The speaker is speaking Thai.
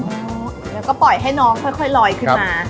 แล้วก็ปล่อยให้น้องค่อยลอยขึ้นมา